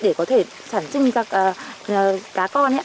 để có thể sản sinh ra cá con